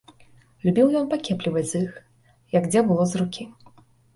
Любіў ён пакепліваць з іх, як дзе было з рукі.